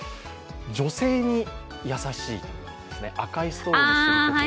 女性に優しいというんですね、赤いストローにすることで。